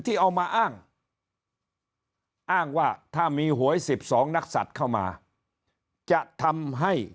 ที่เอามาอ้างอ้างว่าถ้ามีหวย๑๒นักศัตริย์เข้ามาจะทำให้